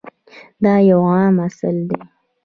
دا یو عام اصل دی.